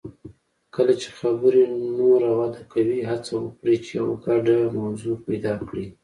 کله چې خبرې نوره وده کوي، هڅه وکړئ چې یو ګډه موضوع پیدا کړئ.